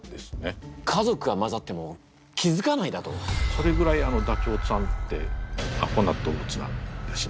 それぐらいダチョウさんってアホな動物なんですね。